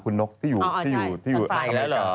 คุณนกที่อยู่อเมริกา